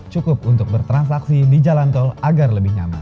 cukup untuk bertransaksi di jalan tol agar lebih nyaman